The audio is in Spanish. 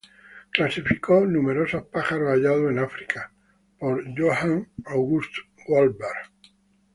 Clasificó numerosos pájaros hallados en África por Johan August Wahlberg.